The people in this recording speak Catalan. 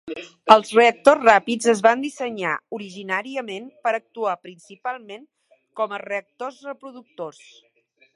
Els reactors ràpids es van dissenyar originàriament per actuar principalment com a reactors reproductors.